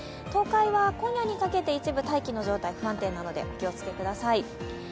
東海は今夜にかけて一部、大気の状態が不安定なのでお気をつけください。